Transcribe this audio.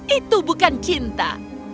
itu bukan cinta